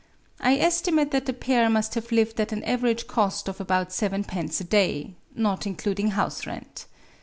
I estimate that the pair must have lived at an average cost of about seven pence a day, not including house rent.